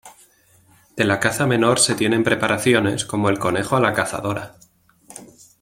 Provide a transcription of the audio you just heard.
De la caza menor se tienen preparaciones como el "conejo a la cazadora".